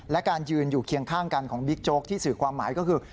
และการยืนอยู่เคียงข้างกันของบิ๊กโจ๊กที่สื่อความหมายก็คือ